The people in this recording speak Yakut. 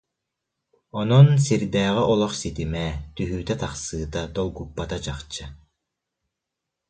Онон сирдээҕи олох ситимэ, түһүүтэ-тахсыыта долгуппата чахчы